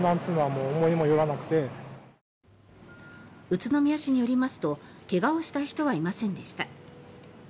宇都宮市によりますと怪我をした人はいませんでした。